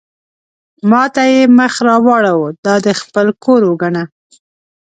ما ته یې مخ را واړاوه: دا دې خپل کور وګڼه.